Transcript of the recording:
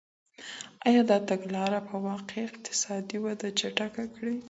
ایا دا تګلاره به واقعاً اقتصادي وده چټکه کړي؟